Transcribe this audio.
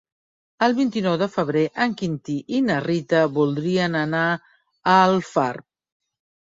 El vint-i-nou de febrer en Quintí i na Rita voldrien anar a Alfarb.